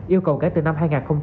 yêu cầu kể từ năm hai nghìn hai mươi